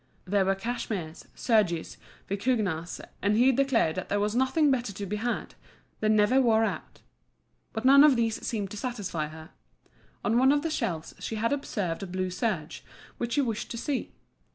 There were cashmeres, serges, vicugnas, and he declared that there was nothing better to be had, they never wore out. But none of these seemed to satisfy her. On one of the shelves she had observed a blue serge, which she wished to see.